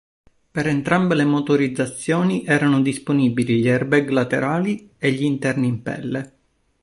Per entrambe le motorizzazioni erano disponibili gli airbag laterali e gli interni in pelle.